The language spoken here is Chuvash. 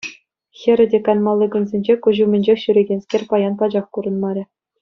Хӗрӗ те канмалли кунсенче куҫ умӗнчех ҫӳрекенскер паян пачах курӑнмарӗ.